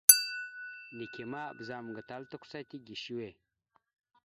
Neke ma ɓəzagaam gatala tʉkəsa tige səwe.